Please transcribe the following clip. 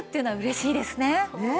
ねえ。